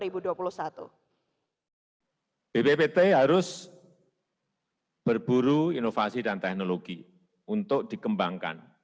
bppt harus berburu inovasi dan teknologi untuk dikembangkan